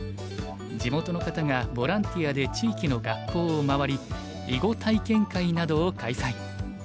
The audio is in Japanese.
地元の方がボランティアで地域の学校を回り囲碁体験会などを開催。